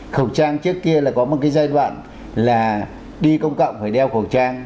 khẩu trang trước kia là có một cái giai đoạn là đi công cộng phải đeo khẩu trang